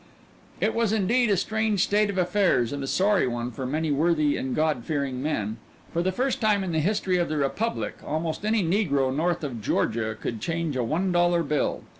It was indeed a strange state of affairs and a sorry one for many worthy and God fearing men. For the first time in the history of the Republic almost any negro north of Georgia could change a one dollar bill.